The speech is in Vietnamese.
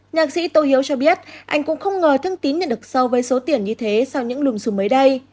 nhạc sĩ tô hiếu cho biết anh cũng không ngờ thông tin nhận được sâu với số tiền như thế sau những lùm xùm mới đây